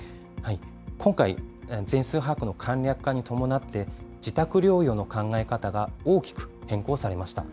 今回、全数把握の簡略化に伴って、自宅療養の考え方が大きく変更されました。